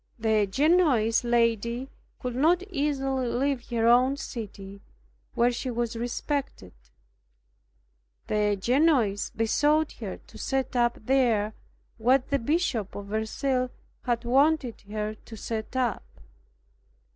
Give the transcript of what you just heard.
The Genoese lady could not easily leave her own city, where she was respected. The Genoese besought her to set up there what the Bishop of Verceil had wanted her to set up.